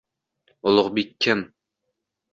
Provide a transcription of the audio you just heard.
Ulugʼbek kim?